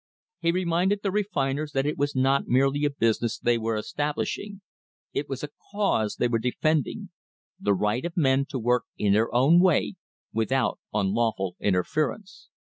He reminded the re finers that it was not merely a business they were establish ing; it was a cause they were defending the right of men to work in their own way without unlawful interference.